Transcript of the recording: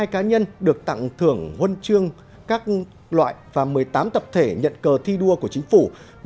hai mươi hai cá nhân được tặng thưởng huân chương các loại và một mươi tám tập thể nhận cờ thi đua của chính phủ